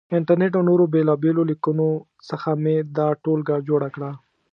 انټرنېټ او نورو بېلابېلو لیکنو څخه مې دا ټولګه جوړه کړه.